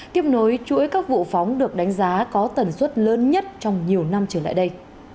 tiếp nối chuỗi các vụ phóng được đánh giá có tần suất lớn nhất trong nhiều năm trở lại đây